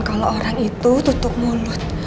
kalau orang itu tutup mulut